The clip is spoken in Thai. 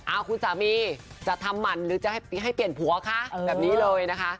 เอาคุณสามีจะทำหมั่นหรือจะให้เปลี่ยนผัวคะแบบนี้เลยนะคะ